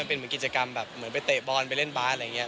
เป็นเหมือนกิจกรรมแบบเหมือนไปเตะบอลไปเล่นบาสอะไรอย่างนี้